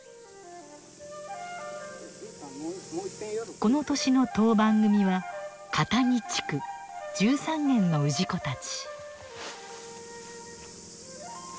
この年の当番組は加谷地区１３軒の氏子たち。